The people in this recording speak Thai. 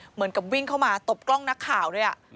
เหมือนกับวิ่งเข้ามาตบกล้องนักข่าวด้วย